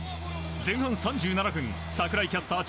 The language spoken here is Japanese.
前半３７分櫻井キャスター